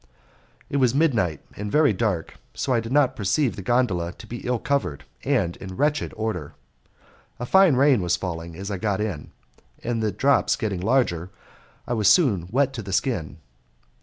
It was midnight and very dark, so that I did not perceive the gondola to be ill covered and in wretched order. A fine rain was falling when I got in, and the drops getting larger I was soon wet to the skin.